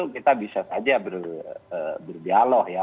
kita bisa saja berdialog ya